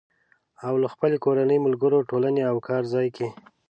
او له خپلې کورنۍ، ملګرو، ټولنې او کار ځای کې